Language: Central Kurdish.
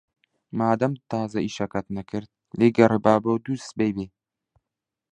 مادام تازە ئیشەکەت نەکرد، لێی گەڕێ با بۆ دووسبەی بێ.